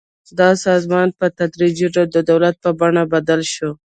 دا سازمان په تدریجي ډول د دولت په بڼه بدل شو.